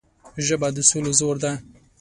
ژبه د سولې زور ده